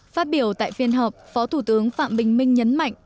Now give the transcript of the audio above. phát biểu tại phiên họp phó thủ tướng phạm bình minh nhấn mạnh